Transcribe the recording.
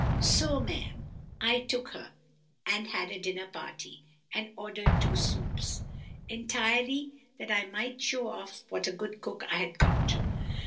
So, ma am, I took her, and had a dinner party, and ordered two soups, entirely that I might show off what a good cook I had got.